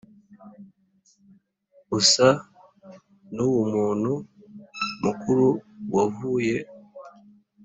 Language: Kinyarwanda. usa nuwumuntu mukuru wavuye